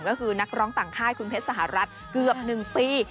ก็คือนักร้องต่างค่ายคุณเพชรสหรัฐเกือบ๑ปี